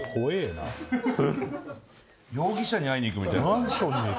容疑者に会いに行くみたい。